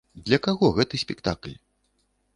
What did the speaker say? Для каго гэты спектакль?